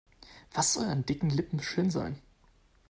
Was soll an dicken Lippen schön sein?